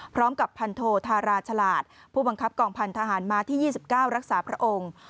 พร้อมกับพันโทธาราฉลาดผู้บังคับกองพันธหารมาที่๒๙รักษาพระองค์